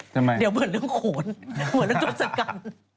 ทำไมเดี๋ยวเหมือนเรื่องโขนเหมือนเรื่องทศกรรม